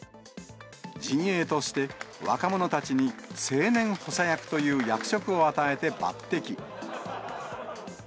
陣営として、若者たちに青年補佐役という役職を与えて抜てき。